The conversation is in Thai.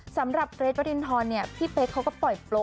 สำหรับเฮร